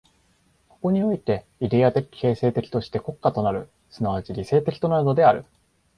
ここにおいてイデヤ的形成的として国家となる、即ち理性的となるのである。